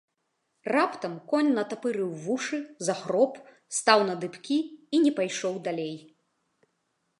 Раптам конь натапырыў вушы, захроп, стаў на дыбкі і не пайшоў далей.